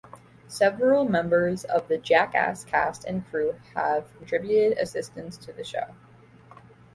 Several members of the "Jackass" cast and crew have contributed assistance to the show.